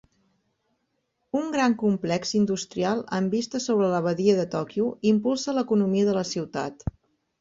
Un gran complex industrial amb vista sobre la badia de Tòquio impulsa l'economia de la ciutat.